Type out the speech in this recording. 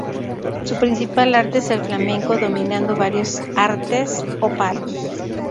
Su principal arte es el flamenco, dominando varios artes o palos.